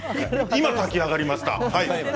今炊き上がりました。